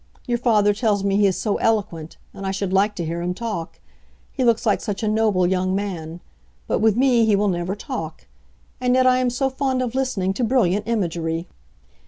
Your father tells me he is so eloquent; and I should like to hear him talk. He looks like such a noble young man. But with me he will never talk. And yet I am so fond of listening to brilliant imagery!"